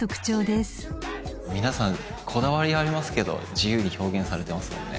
皆さんこだわりありますけど自由に表現されてますもんね。